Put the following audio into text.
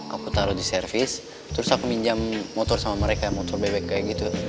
aku taruh di servis terus aku minjam motor sama mereka motor bebek kayak gitu